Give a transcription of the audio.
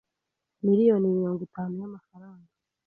miliyoni mirongo itanu y amafaranga